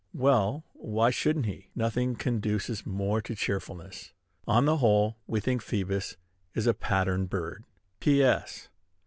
Well, why shouldn't he? Nothing conduces more to cheerfulness. On the whole, we think Phoebus is a pattern bird. P. S.